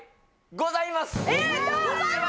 ございます。